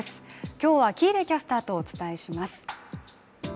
今日は喜入キャスターとお伝えします。